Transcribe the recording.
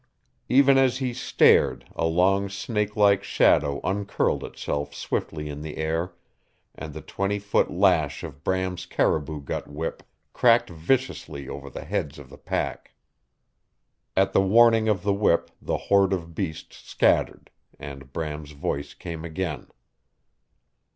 Even as he stared a long snakelike shadow uncurled itself swiftly in the air and the twenty foot lash of Bram's caribou gut whip cracked viciously over the heads of the pack. At the warning of the whip the horde of beasts scattered, and Bram's voice came again.